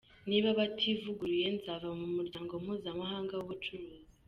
"Niba bativuguruye, nzava mu muryango mpuzamahanga w'ubucuruzi.